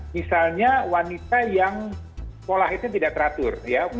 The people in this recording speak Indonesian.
misalnya wanita yang pola headnya tidak teratur ya